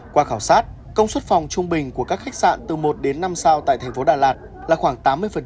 qua khảo sát công suất phòng trung bình của các khách sạn từ một đến năm sao tại thành phố đà lạt là khoảng tám mươi